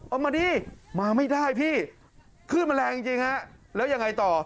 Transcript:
เอามาดิมาไม่ได้พี่ขึ้นมันแรงจริงแล้วยังไงต่อ